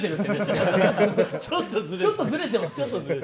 ちょっとずれてますよ。